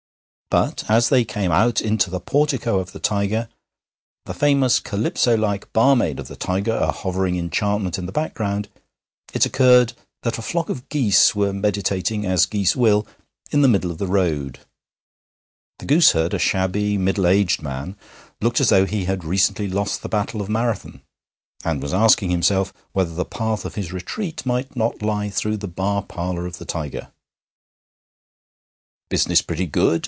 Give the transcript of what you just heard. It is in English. But as they came out into the portico of the Tiger, the famous Calypso like barmaid of the Tiger a hovering enchantment in the background, it occurred that a flock of geese were meditating, as geese will, in the middle of the road. The gooseherd, a shabby middle aged man, looked as though he had recently lost the Battle of Marathon, and was asking himself whether the path of his retreat might not lie through the bar parlour of the Tiger. 'Business pretty good?'